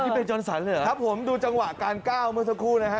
นี่เป็นจอนสันเลยเหรอครับผมดูจังหวะการก้าวเมื่อสักครู่นะฮะ